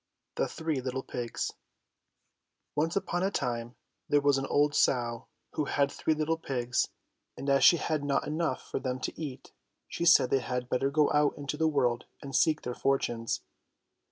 THE THREE LITTLE PIGS ONCE upon a time there was an old sow who had three httle pigs, and as she had not enough for them to eat, she said they had better go out into the world and seek their fortunes.